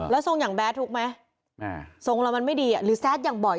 แล้วทรงอย่างแบดทุกข์ไหมทรงเรามันไม่ดีหรือแซดอย่างบ่อย